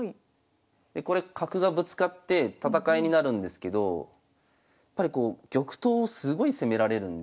これ角がぶつかって戦いになるんですけどやっぱり玉頭をすごい攻められるんで。